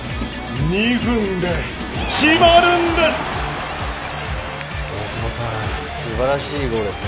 ２分で決まるんです。